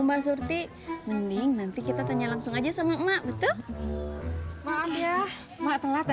mbak surti mending nanti kita tanya langsung aja sama emak